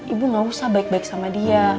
ibu gak usah baik baik sama dia